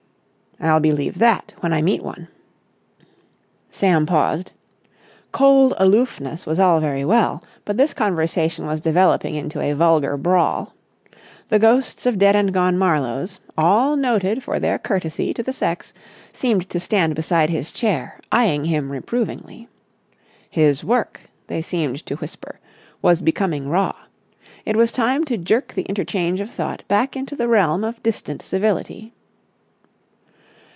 "I'll believe that when I meet one." Sam paused. Cold aloofness was all very well, but this conversation was developing into a vulgar brawl. The ghosts of dead and gone Marlowes, all noted for their courtesy to the sex, seemed to stand beside his chair, eyeing him reprovingly. His work, they seemed to whisper, was becoming raw. It was time to jerk the interchange of thought back into the realm of distant civility.